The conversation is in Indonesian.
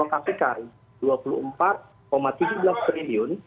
sehingga kita alokasikan rp dua puluh empat tujuh triliun